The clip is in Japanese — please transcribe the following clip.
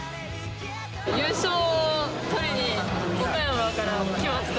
優勝を取りに岡山から来ました。